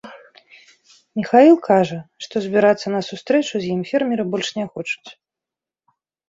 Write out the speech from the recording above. Міхаіл кажа, што збірацца на сустрэчу з ім фермеры больш не хочуць.